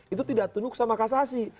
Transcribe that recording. itu tidak tunduk sama kasasi